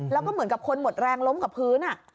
แล้วก็เหมือนกับคนหมดแรงล้มกับพื้น